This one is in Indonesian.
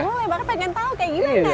boleh bahkan pengen tahu kayak gimana